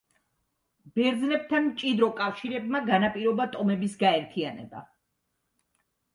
ბერძნებთან მჭიდრო კავშირებმა განაპირობა ტომების გაერთიანება.